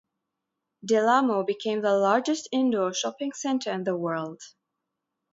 Del Amo became the largest indoor shopping center in the world.